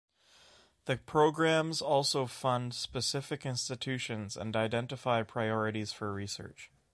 The programs also fund specific institutions and identify priorities for research.